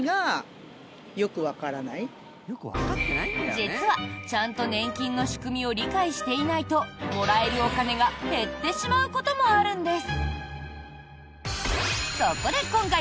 実は、ちゃんと年金の仕組みを理解していないともらえるお金が減ってしまうこともあるんです。